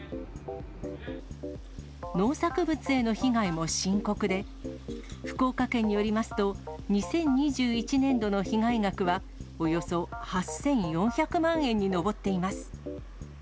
農作物への被害も深刻で、福岡県によりますと、２０２１年度の被害額は、およそ８４００万円に上っています。